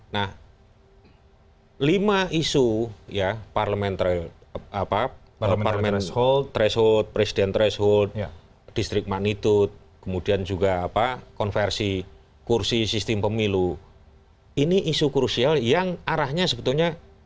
nah lima isu ya parliamentary parliament threshold presiden threshold district magnitude kemudian juga konversi kursi sistem pemilu ini isu krusial yang arahnya sebetulnya